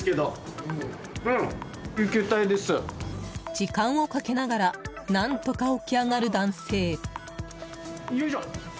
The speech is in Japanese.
時間をかけながら何とか起き上がる男性。